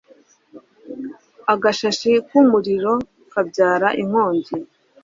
agashashi k'umuriro kabyara inkongi